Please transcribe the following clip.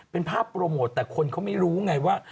เป็นภาพโปรโมทแต่คนเขาไม่รู้ไงว่า